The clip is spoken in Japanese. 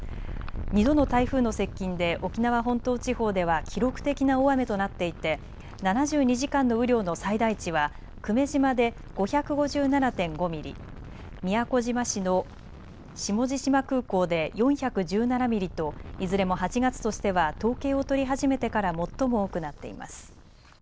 ２度の台風の接近で沖縄本島地方では記録的な大雨となっていて７２時間の雨量の最大値は久米島で５５７．５ミリ、宮古島市の下地島空港で４１７ミリといずれも８月としては統計を取り始めてから最も多くなっています。